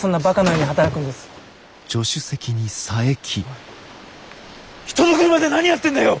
おい人の車で何やってんだよ！